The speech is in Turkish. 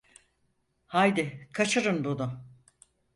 Haydi, kaçırın bunu…